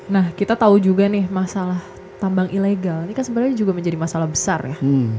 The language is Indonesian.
nah kita tahu juga nih masalah tambang ilegal ini kan sebenarnya juga menjadi masalah besar ya